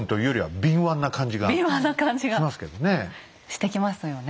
してきますよね。